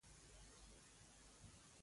ضروري نه ده چې انسان په هدیره کې شتمن وي.